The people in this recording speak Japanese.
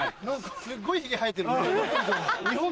・すっごいヒゲ生えてるね・